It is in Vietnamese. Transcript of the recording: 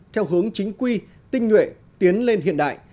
theo hướng chính quy tinh nguyện tiến lên hiện đại